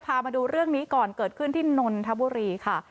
พามาดูเรื่องนี้ก่อนเกิดขึ้นที่นนทบุรีค่ะ